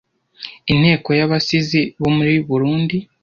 inteko y'abasizi bo muri burundi